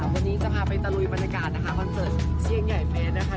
วันนี้จะพาไปตะลุยบรรยากาศนะคะคอนเสิร์ตเชียงใหญ่เฟสนะคะ